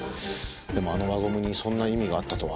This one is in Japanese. でもあの輪ゴムにそんな意味があったとは。